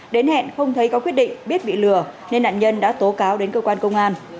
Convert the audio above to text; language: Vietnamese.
đến hẹn không thấy có quyết định biết bị lừa nên nạn nhân đã tố cáo đến cơ quan công an